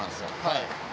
はい。